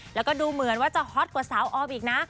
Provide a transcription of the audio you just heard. แล้วก็ดูเหมือนว่าจะฮอตกว่าสาวออมอีกนะ